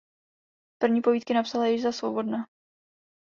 První povídky napsala již za svobodna.